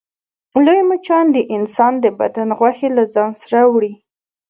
لوی مچان د انسان د بدن غوښې له ځان سره وړي